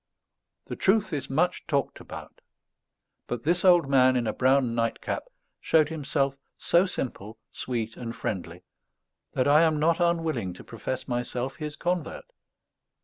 The truth is much talked about; but this old man in a brown nightcap showed himself so simple, sweet and friendly, that I am not unwilling to profess myself his convert.